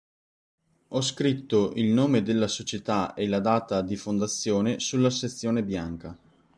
Ho scritto il nome della società e la data di fondazione sulla sezione bianca.